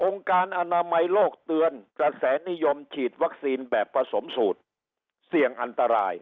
การอนามัยโลกเตือนกระแสนิยมฉีดวัคซีนแบบผสมสูตรเสี่ยงอันตราย